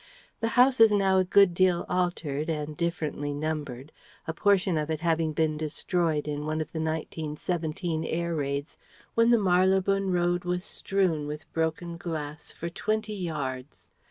The house is now a good deal altered and differently numbered, a portion of it having been destroyed in one of the 1917 air raids, when the Marylebone Road was strewn with its broken glass for twenty yards.